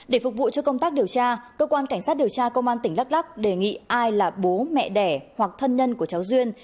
để phục vụ cho công tác điều tra cơ quan cảnh sát điều tra công an tỉnh đắk lắc đề nghị ai là bố mẹ đẻ hoặc thân nhân của cháu duyên